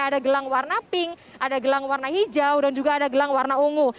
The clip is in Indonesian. ada gelang warna pink ada gelang warna hijau dan juga ada gelang warna ungu